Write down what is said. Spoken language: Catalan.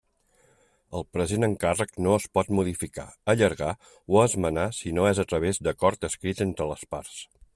El present encàrrec no es pot modificar, allargar o esmenar si no és a través d'acord escrit entre les parts.